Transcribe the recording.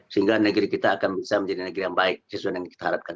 sehingga negeri kita akan bisa menjadi negeri yang baik sesuai dengan yang kita harapkan